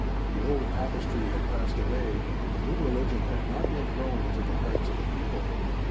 The old Papistry had passed away, but the new religion had not yet grown into the hearts of the people.